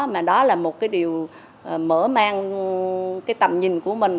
mà đó là một cái điều mở mang cái tầm nhìn của mình